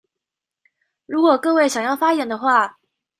如果各位想要發言的話